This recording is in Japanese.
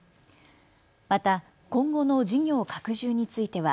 また今後の事業拡充については。